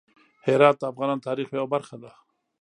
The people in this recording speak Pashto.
هرات د افغانانو د تاریخ یوه برخه ده.